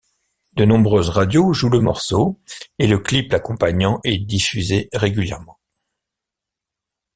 De nombreuses radios jouent le morceau, et le clip l’accompagnant est diffusé régulièrement.